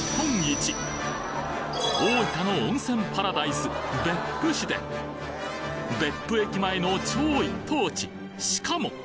パラダイス別府市で別府駅前の超一等地しかも！